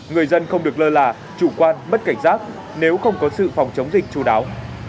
người dân không được lơ là chủ quan mất cảnh giác nếu không có sự phòng chống dịch chú đáo